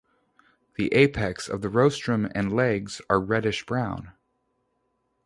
The apex of the rostrum and legs are reddish brown.